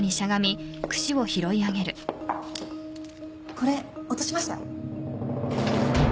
これ落としましたよ。